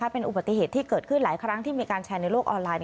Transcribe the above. เป็นอุบัติเหตุที่เกิดขึ้นหลายครั้งที่มีการแชร์ในโลกออนไลน์